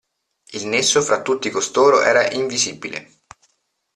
Il nesso fra tutti costoro era invisibile.